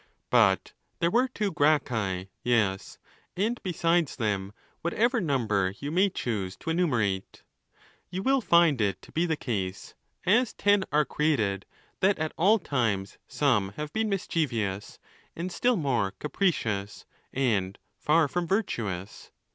But there were two Gracchi. Yes; and, besides them, ' whatever number you may choose to enumerate. You will find it to be the case, as ten are created, that at all times some have been mischievous, and still more capricious, and: far from virtuous.